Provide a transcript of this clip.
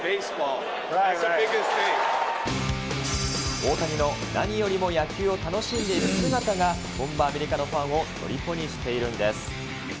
大谷の何よりも野球を楽しんでいる姿が、本場、アメリカのファンをとりこにしているんです。